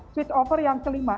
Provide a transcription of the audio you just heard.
switch over yang kelima